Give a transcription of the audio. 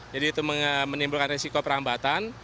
jadi itu menimbulkan risiko perambatan